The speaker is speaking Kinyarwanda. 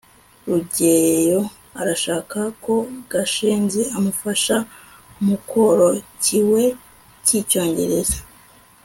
rugeyo arashaka ko gashinzi amufasha mukoro kiwe k'icyongereza